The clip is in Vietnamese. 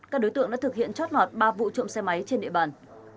các đối tượng đã thực hiện chót lọt ba vụ trộm xe máy trên địa bàn